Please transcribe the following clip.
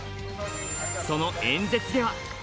その演説では。